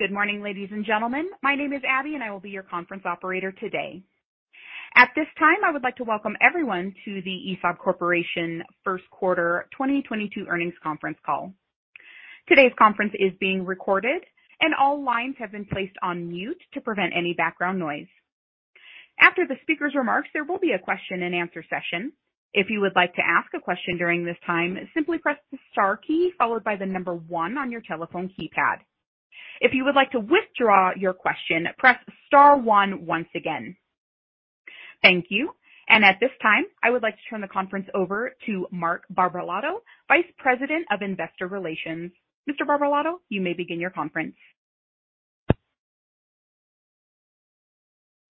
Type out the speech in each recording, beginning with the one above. Good morning, ladies and gentlemen. My name is Abby, and I will be your conference operator today. At this time, I would like to welcome everyone to the ESAB Corporation first quarter 2022 earnings conference call. Today's conference is being recorded and all lines have been placed on mute to prevent any background noise. After the speaker's remarks, there will be a question-and-answer session. If you would like to ask a question during this time, simply press the star key followed by the number one on your telephone keypad. If you would like to withdraw your question, press star one once again. Thank you. At this time, I would like to turn the conference over to Mark Barbalato, Vice President of investor relations. Mr. Barbalato, you may begin your conference.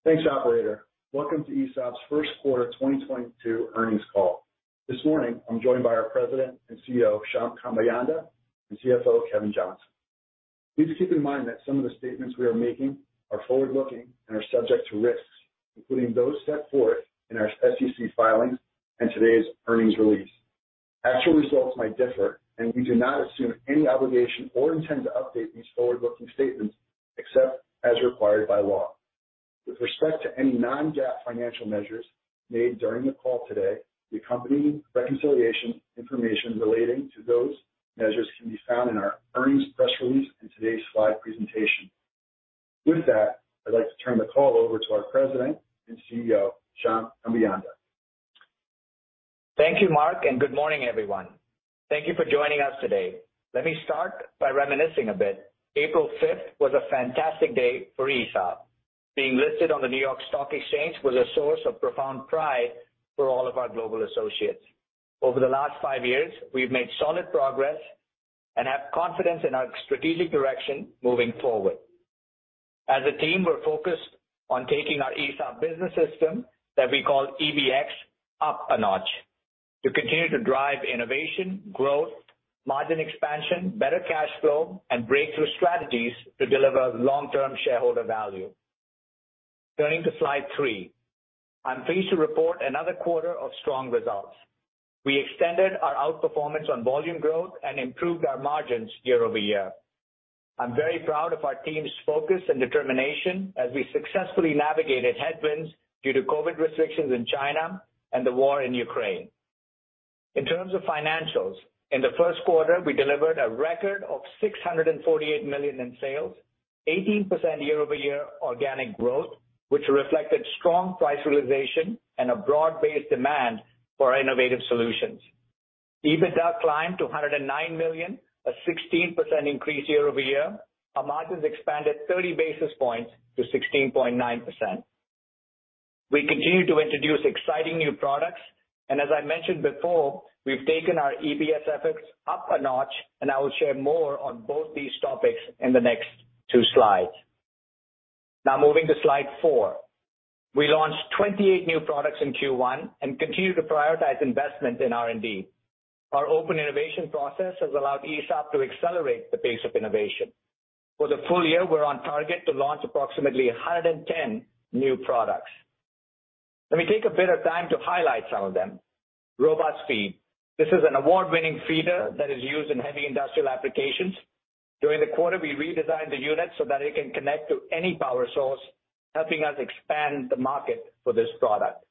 Thanks, operator. Welcome to ESAB's first quarter 2022 earnings call. This morning, I'm joined by our President and CEO, Shyam Kambeyanda, and CFO, Kevin Johnson. Please keep in mind that some of the statements we are making are forward-looking and are subject to risks, including those set forth in our SEC filings and today's earnings release. Actual results might differ, and we do not assume any obligation or intend to update these forward-looking statements except as required by law. With respect to any non-GAAP financial measures made during the call today, the accompanying reconciliation information relating to those measures can be found in our earnings press release in today's slide presentation. With that, I'd like to turn the call over to our President and CEO, Shyam Kambeyanda. Thank you, Mark, and good morning, everyone. Thank you for joining us today. Let me start by reminiscing a bit. April 5th was a fantastic day for ESAB. Being listed on the New York Stock Exchange was a source of profound pride for all of our global associates. Over the last five years, we've made solid progress and have confidence in our strategic direction moving forward. As a team, we're focused on taking our ESAB business system, that we call EBX, up a notch to continue to drive innovation, growth, margin expansion, better cash flow, and breakthrough strategies to deliver long-term shareholder value. Turning to slide three. I'm pleased to report another quarter of strong results. We extended our outperformance on volume growth and improved our margins year over year. I'm very proud of our team's focus and determination as we successfully navigated headwinds due to COVID restrictions in China and the war in Ukraine. In terms of financials, in the first quarter, we delivered a record of $648 million in sales, 18% year-over-year organic growth, which reflected strong price realization and a broad-based demand for our innovative solutions. EBITDA climbed to $109 million, a 16% increase year-over-year. Our margins expanded 30 basis points to 16.9%. We continue to introduce exciting new products, and as I mentioned before, we've taken our EBX efforts up a notch, and I will share more on both these topics in the next two slides. Now moving to slide four. We launched 28 new products in Q1 and continue to prioritize investment in R&D. Our open innovation process has allowed ESAB to accelerate the pace of innovation. For the full year, we're on target to launch approximately 110 new products. Let me take a bit of time to highlight some of them. RobustFeed. This is an award-winning feeder that is used in heavy industrial applications. During the quarter, we redesigned the unit so that it can connect to any power source, helping us expand the market for this product.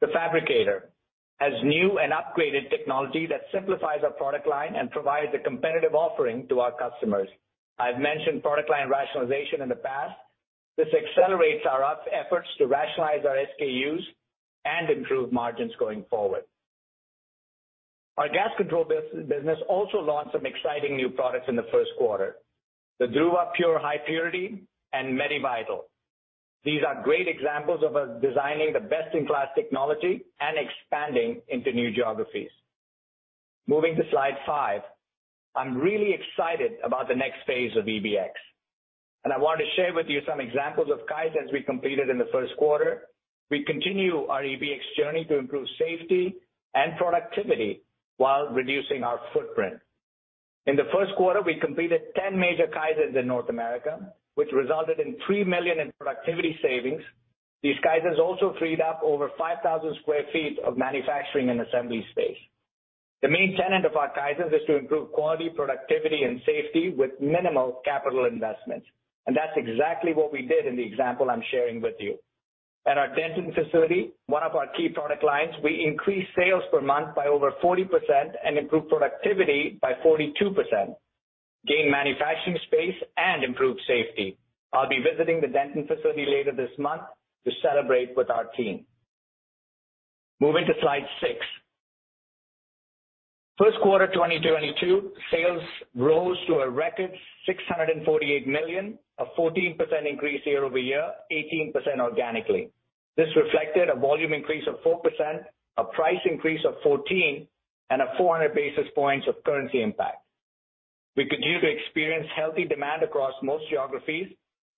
The Fabricator has new and upgraded technology that simplifies our product line and provides a competitive offering to our customers. I've mentioned product line rationalization in the past. This accelerates our efforts to rationalize our SKUs and improve margins going forward. Our gas control business also launched some exciting new products in the first quarter. The DruvaPur High Purity and MediVital. These are great examples of us designing the best-in-class technology and expanding into new geographies. Moving to slide five. I'm really excited about the next phase of EBX, and I want to share with you some examples of Kaizens we completed in the first quarter. We continue our EBX journey to improve safety and productivity while reducing our footprint. In the first quarter, we completed 10 major Kaizens in North America, which resulted in $3 million in productivity savings. These Kaizens also freed up over 5,000 sq ft of manufacturing and assembly space. The main tenet of our Kaizens is to improve quality, productivity, and safety with minimal capital investments, and that's exactly what we did in the example I'm sharing with you. At our Denton facility, one of our key product lines, we increased sales per month by over 40% and improved productivity by 42%, gained manufacturing space and improved safety. I'll be visiting the Denton facility later this month to celebrate with our team. Moving to slide six. First quarter 2022 sales rose to a record $648 million, a 14% increase year-over-year, 18% organically. This reflected a volume increase of 4%, a price increase of 14%, and 400 basis points of currency impact. We continue to experience healthy demand across most geographies.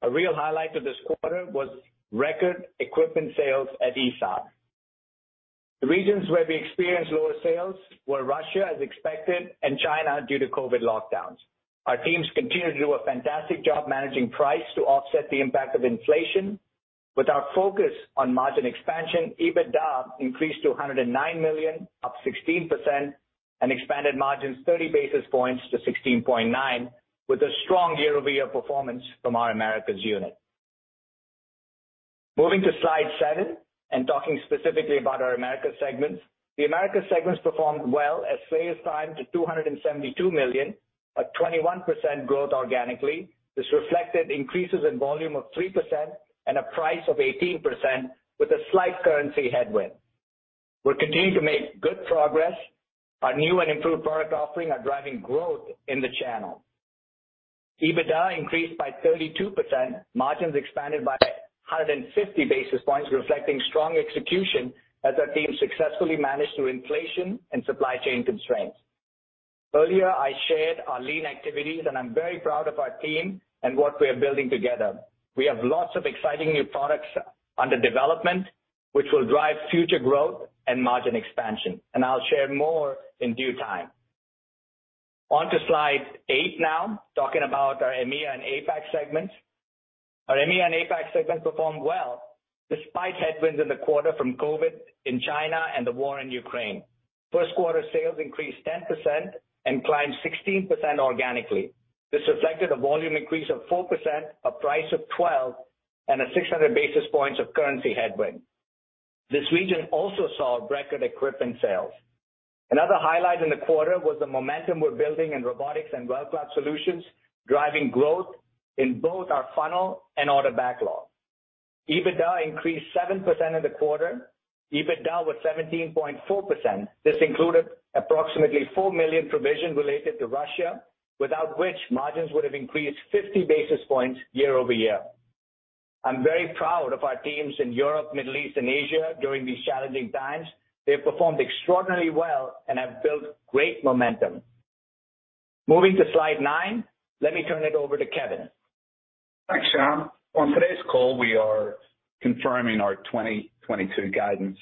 A real highlight of this quarter was record equipment sales at ESAB. The regions where we experienced lower sales were Russia, as expected, and China due to COVID lockdowns. Our teams continue to do a fantastic job managing price to offset the impact of inflation. With our focus on margin expansion, EBITDA increased to $109 million, up 16% and expanded margins 30 basis points to 16.9% with a strong year-over-year performance from our Americas unit. Moving to slide seven and talking specifically about our Americas segments. The Americas segments performed well as sales climbed to $272 million, a 21% growth organically. This reflected increases in volume of 3% and a price of 18% with a slight currency headwind. We're continuing to make good progress. Our new and improved product offering are driving growth in the channel. EBITDA increased by 32%. Margins expanded by 150 basis points, reflecting strong execution as our team successfully managed through inflation and supply chain constraints. Earlier, I shared our lean activities, and I'm very proud of our team and what we are building together. We have lots of exciting new products under development which will drive future growth and margin expansion, and I'll share more in due time. On to slide eight now. Talking about our EMEA and APAC segments. Our EMEA and APAC segments performed well despite headwinds in the quarter from COVID in China and the war in Ukraine. First quarter sales increased 10% and climbed 16% organically. This reflected a volume increase of 4%, a price of 12% and a 600 basis points of currency headwind. This region also saw record equipment sales. Another highlight in the quarter was the momentum we're building in robotics and WeldCloud solutions, driving growth in both our funnel and order backlog. EBITDA increased 7% in the quarter. EBITDA was 17.4%. This included approximately $4 million provision related to Russia, without which margins would have increased 50 basis points year-over-year. I'm very proud of our teams in Europe, Middle East and Asia during these challenging times. They have performed extraordinarily well and have built great momentum. Moving to slide nine, let me turn it over to Kevin. Thanks, Shyam. On today's call, we are confirming our 2022 guidance.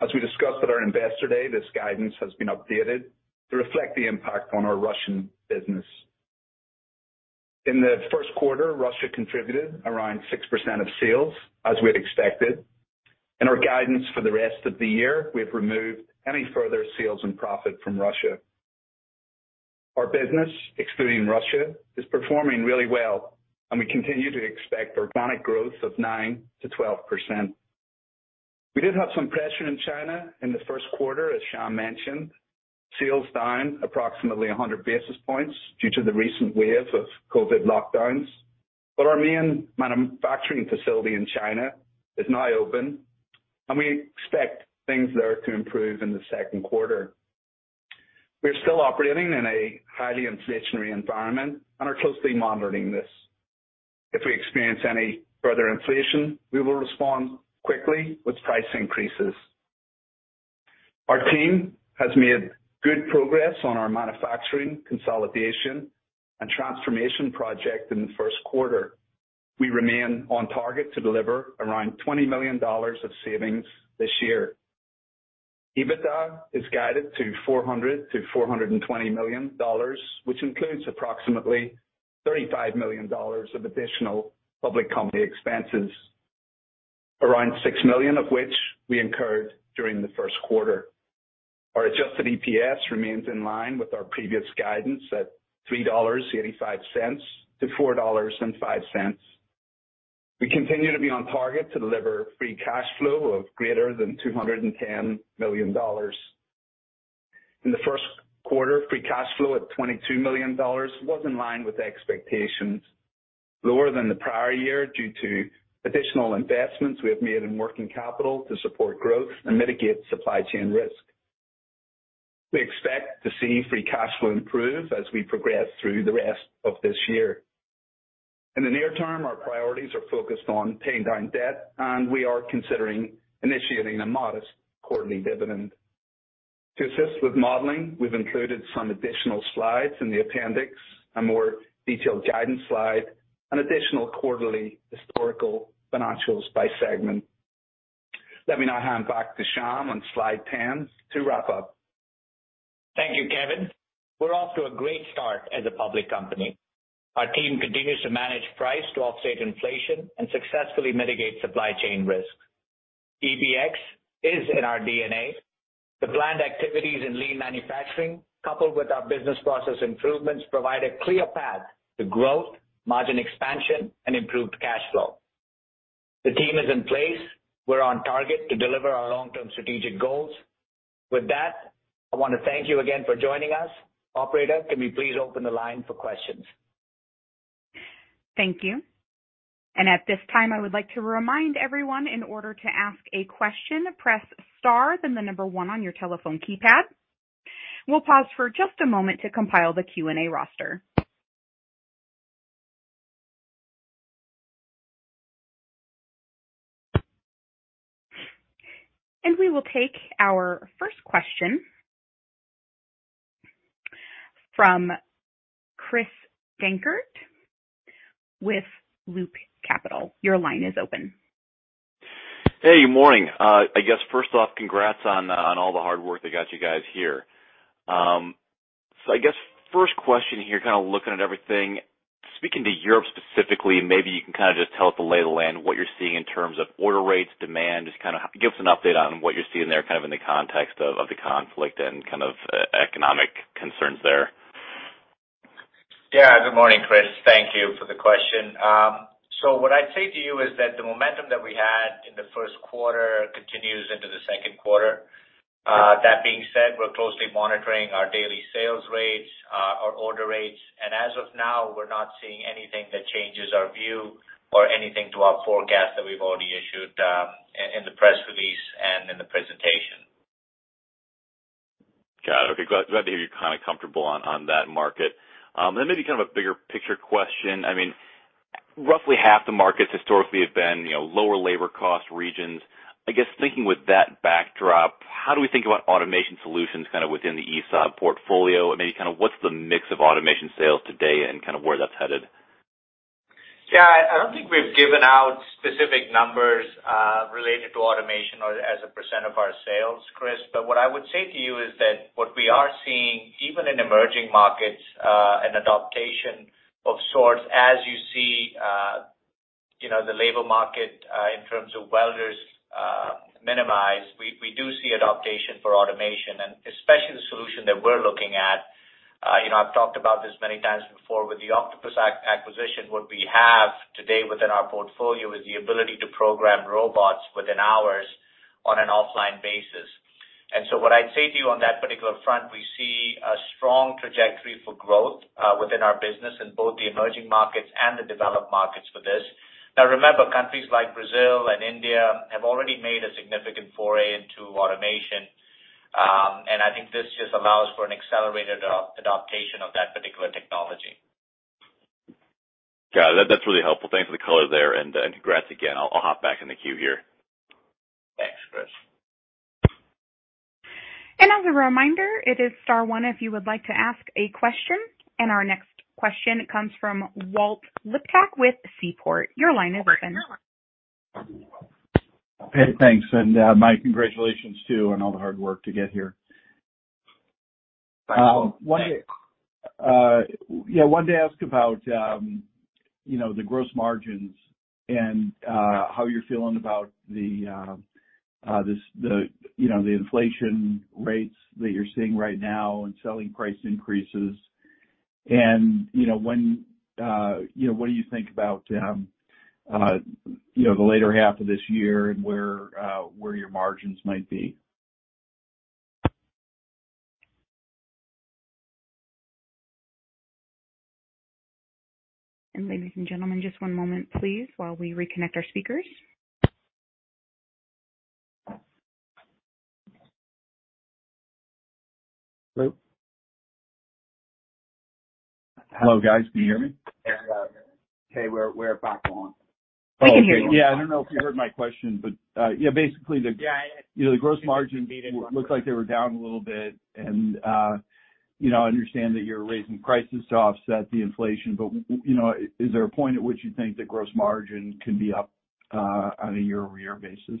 As we discussed at our Investor Day, this guidance has been updated to reflect the impact on our Russian business. In the first quarter, Russia contributed around 6% of sales, as we had expected. In our guidance for the rest of the year, we have removed any further sales and profit from Russia. Our business, excluding Russia, is performing really well and we continue to expect organic growth of 9%-12%. We did have some pressure in China in the first quarter, as Shyam mentioned. Sales down approximately 100 basis points due to the recent wave of COVID lockdowns. Our main manufacturing facility in China is now open and we expect things there to improve in the second quarter. We're still operating in a highly inflationary environment and are closely monitoring this. If we experience any further inflation, we will respond quickly with price increases. Our team has made good progress on our manufacturing consolidation and transformation project in the first quarter. We remain on target to deliver around $20 million of savings this year. EBITDA is guided to $400 million-$420 million, which includes approximately $35 million of additional public company expenses, around $6 million of which we incurred during the first quarter. Our adjusted EPS remains in line with our previous guidance at $3.85-$4.05. We continue to be on target to deliver free cash flow of greater than $210 million. In the first quarter, free cash flow at $22 million was in line with expectations, lower than the prior year due to additional investments we have made in working capital to support growth and mitigate supply chain risk. We expect to see free cash flow improve as we progress through the rest of this year. In the near term, our priorities are focused on paying down debt and we are considering initiating a modest quarterly dividend. To assist with modeling, we've included some additional slides in the appendix, a more detailed guidance slide, and additional quarterly historical financials by segment. Let me now hand back to Shyam on slide 10 to wrap up. Thank you, Kevin. We're off to a great start as a public company. Our team continues to manage pricing to offset inflation and successfully mitigate supply chain risks. EBX is in our DNA. The planned activities in lean manufacturing, coupled with our business process improvements, provide a clear path to growth, margin expansion and improved cash flow. The team is in place. We're on target to deliver our long-term strategic goals. With that, I want to thank you again for joining us. Operator, can we please open the line for questions? Thank you. At this time, I would like to remind everyone, in order to ask a question, press star then the number one on your telephone keypad. We'll pause for just a moment to compile the Q&A roster. We will take our first question from Chris Dankert with Loop Capital. Your line is open. Hey, good morning. I guess first off, congrats on all the hard work that got you guys here. I guess first question here, kind of looking at everything, speaking to Europe specifically, and maybe you can kind of just tell us the lay of the land, what you're seeing in terms of order rates, demand, just kind of give us an update on what you're seeing there, kind of in the context of the conflict and kind of economic concerns there. Yeah. Good morning, Chris. Thank you for the question. What I'd say to you is that the momentum that we had in the first quarter continues into the second quarter. That being said, we're closely monitoring our daily sales rates, our order rates, and as of now, we're not seeing anything that changes our view or anything to our forecast that we've already issued, in the press release and in the presentation. Got it. Okay. Glad to hear you're kind of comfortable on that market. Maybe kind of a bigger picture question. I mean, roughly half the markets historically have been, you know, lower labor cost regions. I guess, thinking with that backdrop, how do we think about automation solutions kind of within the ESAB portfolio? Maybe kind of what's the mix of automation sales today and kind of where that's headed? Yeah, I don't think we've given out specific numbers related to automation or as a percent of our sales, Chris Dankert. What I would say to you is that what we are seeing, even in emerging markets, an adaptation of sorts, as you see, you know, the labor market in terms of welders minimized, we do see adaptation for automation and especially the solution that we're looking at. You know, I've talked about this many times before. With the OCTOPUZ acquisition, what we have today within our portfolio is the ability to program robots within hours on an offline basis. What I'd say to you on that particular front, we see a strong trajectory for growth within our business in both the emerging markets and the developed markets for this. Now remember, countries like Brazil and India have already made a significant foray into automation. I think this just allows for an accelerated adaptation of that particular technology. Got it. That's really helpful. Thanks for the color there and congrats again. I'll hop back in the queue here. Thanks, Chris. As a reminder, it is star one if you would like to ask a question. Our next question comes from Walt Liptak with Seaport. Your line is open. Hey, thanks. My congratulations, too, on all the hard work to get here. Thank you. Wanted to ask about, you know, the gross margins and how you're feeling about the, you know, the inflation rates that you're seeing right now and selling price increases. You know, when, you know, what do you think about, you know, the later half of this year and where your margins might be? Ladies and gentlemen, just one moment, please, while we reconnect our speakers. Hello? Hello, guys. Can you hear me? Hey, we're back on. We can hear you. Okay. Yeah, I don't know if you heard my question, but yeah, basically. Yeah. You know, the gross margin meeting looked like they were down a little bit. You know, I understand that you're raising prices to offset the inflation, but, you know, is there a point at which you think that gross margin can be up, on a year-over-year basis?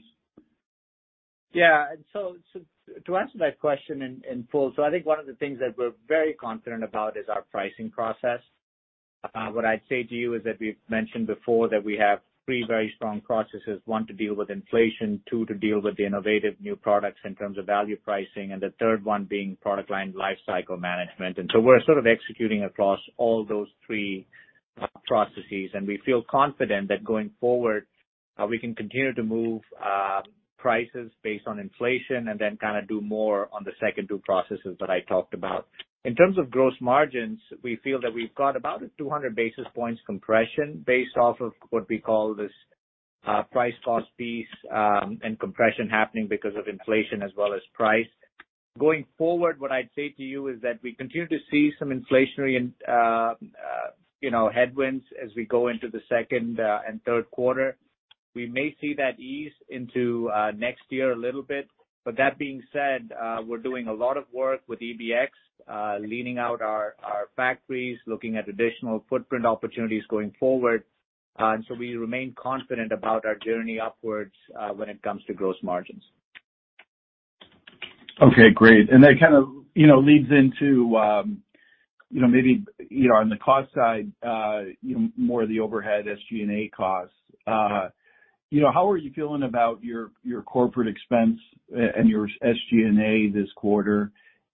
Yeah. To answer that question in full, I think one of the things that we're very confident about is our pricing process. What I'd say to you is that we've mentioned before that we have three very strong processes. One, to deal with inflation. Two, to deal with the innovative new products in terms of value pricing, and the third one being product line life cycle management. We're sort of executing across all those three processes, and we feel confident that going forward, we can continue to move prices based on inflation and then kind of do more on the second two processes that I talked about. In terms of gross margins, we feel that we've got about 200 basis points compression based off of what we call this price cost piece, and compression happening because of inflation as well as price. Going forward, what I'd say to you is that we continue to see some inflationary and, you know, headwinds as we go into the second and third quarter. We may see that ease into next year a little bit. That being said, we're doing a lot of work with EBX, leaning out our factories, looking at additional footprint opportunities going forward. We remain confident about our journey upwards when it comes to gross margins. Okay, great. That kind of, you know, leads into, you know, maybe, you know, on the cost side, you know, more of the overhead SG&A costs. You know, how are you feeling about your corporate expense and your SG&A this quarter?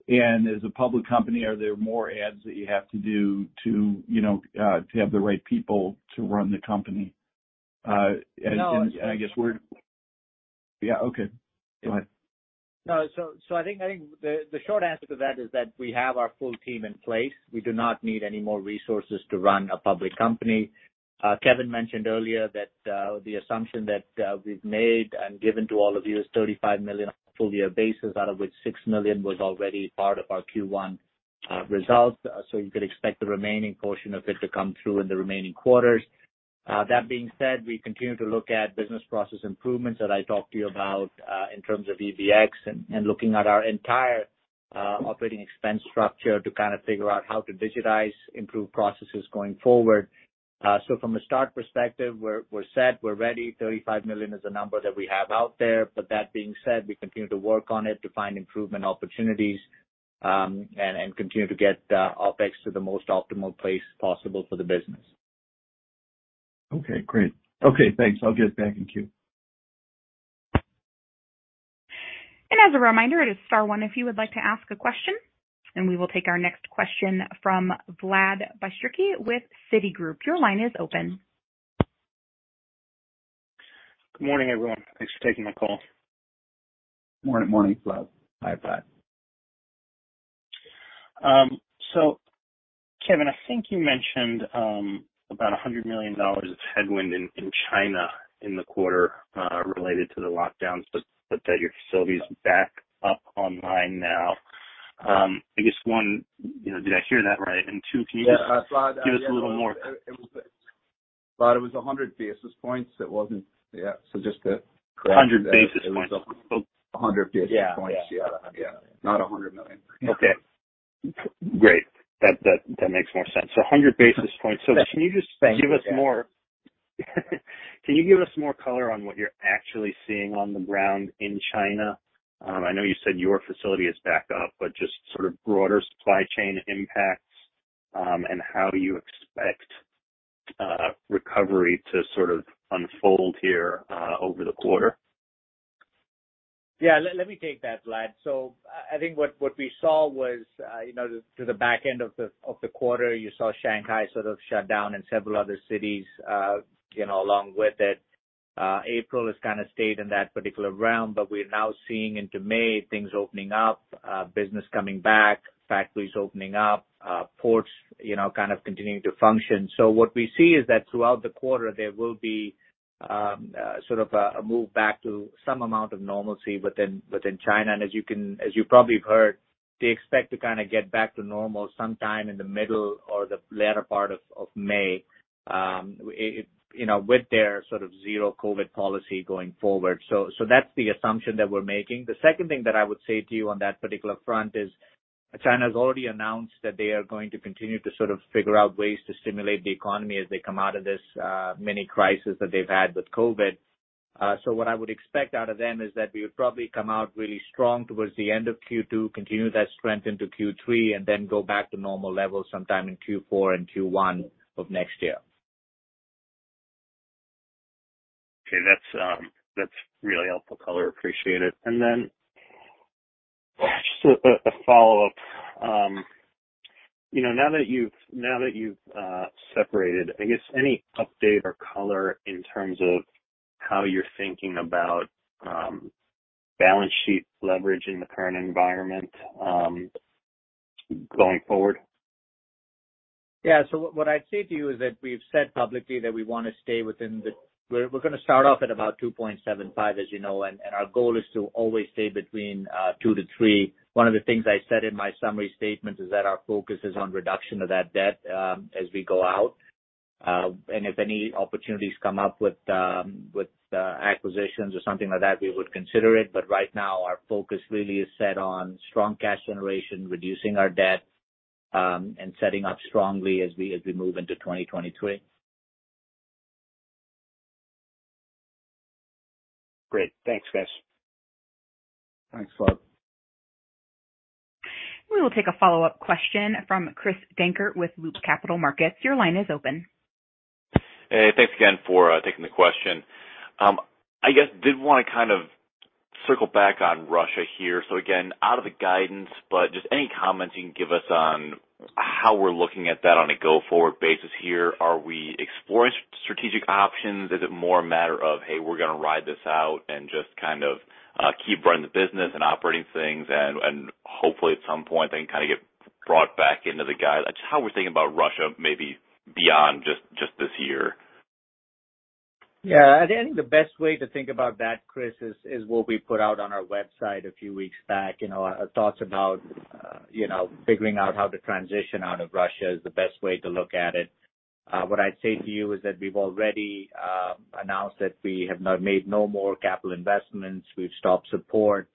As a public company, are there more adds that you have to do to, you know, to have the right people to run the company? I guess we're- No. Yeah, okay. Go ahead. No. I think the short answer to that is that we have our full team in place. We do not need any more resources to run a public company. Kevin mentioned earlier that the assumption that we've made and given to all of you is $35 million on a full year basis, out of which $6 million was already part of our Q1 results. You could expect the remaining portion of it to come through in the remaining quarters. That being said, we continue to look at business process improvements that I talked to you about in terms of EBX and looking at our entire operating expense structure to kind of figure out how to digitize, improve processes going forward. From a start perspective, we're set, we're ready. $35 million is the number that we have out there, but that being said, we continue to work on it to find improvement opportunities, and continue to get OpEx to the most optimal place possible for the business. Okay, great. Okay, thanks. I'll get back in queue. As a reminder, it is star one if you would like to ask a question. We will take our next question from Vlad Bystricky with Citigroup. Your line is open. Good morning, everyone. Thanks for taking my call. Morning, Vlad. Hi, Vlad. Kevin, I think you mentioned about $100 million of headwind in China in the quarter related to the lockdowns, but that your facility is back up online now. I guess one, you know, did I hear that right? Two, can you just- Yeah. Vlad Give us a little more. Vlad, it was 100 basis points. It wasn't. Yeah. Just to correct that. 100 basis points. 100 basis points. Yeah. Yeah. Yeah. Not $100 million. Okay. Great. That makes more sense. 100 basis points. Yes. Thank you. Can you give us more color on what you're actually seeing on the ground in China? I know you said your facility is back up, but just sort of broader supply chain impacts, and how do you expect recovery to sort of unfold here, over the quarter? Yeah. Let me take that, Vlad. I think what we saw was, you know, to the back end of the quarter, you saw Shanghai sort of shut down and several other cities, you know, along with it. April has kinda stayed in that particular realm, but we're now seeing into May things opening up, business coming back, factories opening up, ports, you know, kind of continuing to function. What we see is that throughout the quarter, there will be sort of a move back to some amount of normalcy within China. As you probably have heard, they expect to kinda get back to normal sometime in the middle or the latter part of May, you know, with their sort of zero COVID policy going forward. That's the assumption that we're making. The second thing that I would say to you on that particular front is China's already announced that they are going to continue to sort of figure out ways to stimulate the economy as they come out of this, mini crisis that they've had with COVID. What I would expect out of them is that we would probably come out really strong towards the end of Q2, continue that strength into Q3, and then go back to normal levels sometime in Q4 and Q1 of next year. Okay. That's really helpful color. Appreciate it. Just a follow-up. You know, now that you've separated, I guess any update or color in terms of how you're thinking about balance sheet leverage in the current environment, going forward? Yeah. What I'd say to you is that we've said publicly that we wanna stay within the. We're gonna start off at about 2.75, as you know, and our goal is to always stay between 2-3. One of the things I said in my summary statement is that our focus is on reduction of that debt, as we go out. If any opportunities come up with acquisitions or something like that, we would consider it. Right now, our focus really is set on strong cash generation, reducing our debt, and setting up strongly as we move into 2023. Great. Thanks, guys. Thanks, Vlad. We will take a follow-up question from Chris Dankert with Loop Capital Markets. Your line is open. Hey, thanks again for taking the question. I guess did wanna kind of circle back on Russia here. Again, out of the guidance, but just any comments you can give us on how we're looking at that on a go-forward basis here. Are we exploring strategic options? Is it more a matter of, hey, we're gonna ride this out and just kind of keep running the business and operating things and hopefully at some point then kinda get brought back into the guide. Just how we're thinking about Russia, maybe beyond just this year. Yeah. I think the best way to think about that, Chris, is what we put out on our website a few weeks back. You know, our thoughts about, you know, figuring out how to transition out of Russia is the best way to look at it. What I'd say to you is that we've already announced that we have not made no more capital investments. We've stopped support.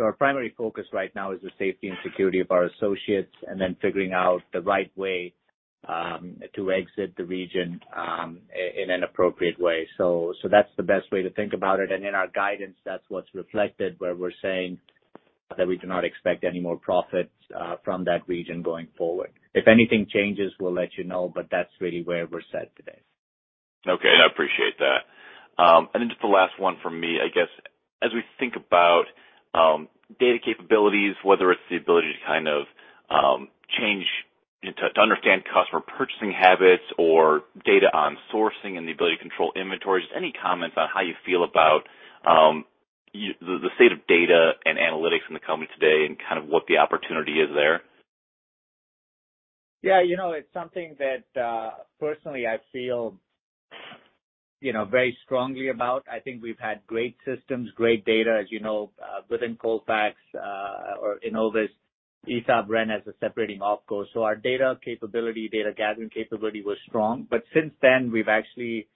Our primary focus right now is the safety and security of our associates and then figuring out the right way to exit the region in an appropriate way. That's the best way to think about it. In our guidance, that's what's reflected, where we're saying that we do not expect any more profits from that region going forward. If anything changes, we'll let you know, but that's really where we're set today. Okay. I appreciate that. Just the last one from me. I guess, as we think about data capabilities, whether it's the ability to kind of understand customer purchasing habits or data on sourcing and the ability to control inventories. Any comments on how you feel about the state of data and analytics in the company today and kind of what the opportunity is there? Yeah. You know, it's something that, personally, I feel, you know, very strongly about. I think we've had great systems, great data, as you know, within Colfax or Enovis. ESAB ran as a separating OpCo. Our data capability, data gathering capability was strong. But since then, we've actually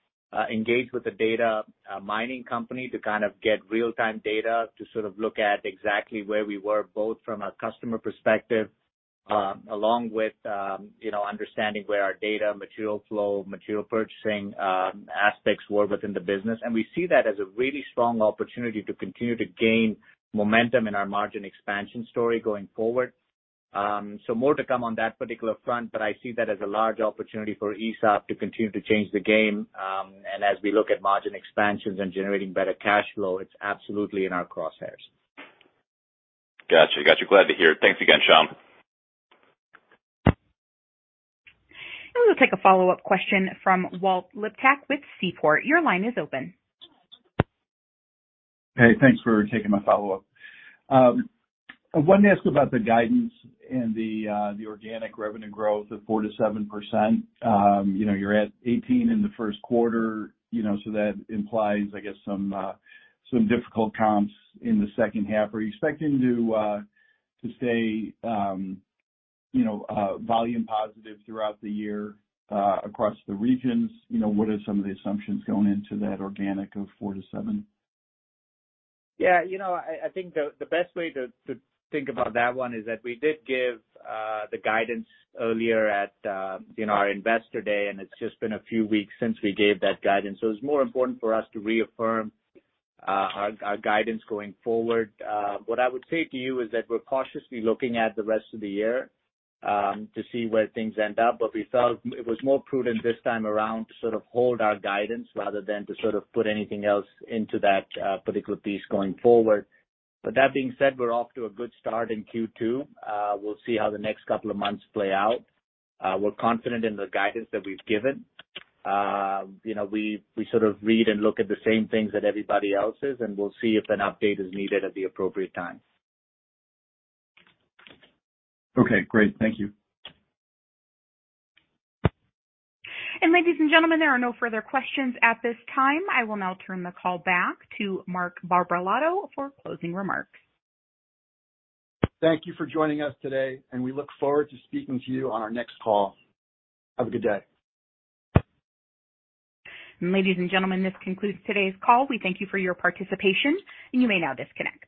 engaged with the data mining company to kind of get real-time data to sort of look at exactly where we were, both from a customer perspective, along with, you know, understanding where our data, material flow, material purchasing, aspects were within the business. We see that as a really strong opportunity to continue to gain momentum in our margin expansion story going forward. More to come on that particular front, but I see that as a large opportunity for ESAB to continue to change the game. As we look at margin expansions and generating better cash flow, it's absolutely in our crosshairs. Got you, got you. Glad to hear it. Thanks again, Shyam. We'll take a follow-up question from Walt Liptak with Seaport. Your line is open. Hey, thanks for taking my follow-up. I wanted to ask about the guidance and the organic revenue growth of 4%-7%. You know, you're at 18% in the first quarter, you know, so that implies, I guess, some difficult comps in the second half. Are you expecting to stay volume positive throughout the year across the regions? You know, what are some of the assumptions going into that organic of 4%-7%? Yeah, you know, I think the best way to think about that one is that we did give the guidance earlier at, you know, our Investor Day, and it's just been a few weeks since we gave that guidance. It's more important for us to reaffirm our guidance going forward. What I would say to you is that we're cautiously looking at the rest of the year to see where things end up, but we felt it was more prudent this time around to sort of hold our guidance rather than to sort of put anything else into that particular piece going forward. That being said, we're off to a good start in Q2. We'll see how the next couple of months play out. We're confident in the guidance that we've given. You know, we sort of read and look at the same things that everybody else is, and we'll see if an update is needed at the appropriate time. Okay, great. Thank you. Ladies and gentlemen, there are no further questions at this time. I will now turn the call back to Mark Barbalato for closing remarks. Thank you for joining us today, and we look forward to speaking to you on our next call. Have a good day. Ladies and gentlemen, this concludes today's call. We thank you for your participation, and you may now disconnect.